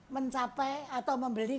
mencapai atau membeli